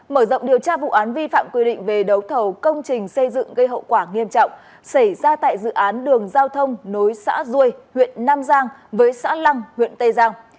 mở rộng điều tra vụ án vi phạm quy định về đấu thầu công trình xây dựng gây hậu quả nghiêm trọng xảy ra tại dự án đường giao thông nối xã ruôi huyện nam giang với xã lăng huyện tây giang